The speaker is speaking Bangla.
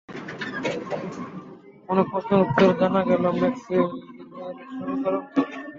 অনেক প্রশ্নের উত্তর জানা গেল ম্যাক্সওয়েলের সমীকরণ থেকে।